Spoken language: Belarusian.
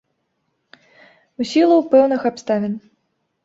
У сілу пэўных абставін.